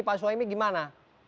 pak suhaimi gimana